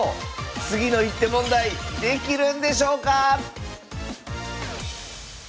次の一手問題できるんでしょうか